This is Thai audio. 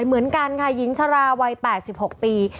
เหมือนกันค่ะหญิงชราวัย๘๖ปี